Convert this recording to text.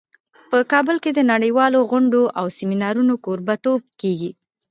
په کابل کې د نړیوالو غونډو او سیمینارونو کوربه توب کیږي